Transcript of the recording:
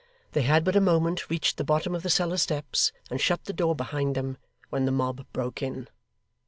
They had but a moment reached the bottom of the cellar steps and shut the door behind them, when the mob broke in.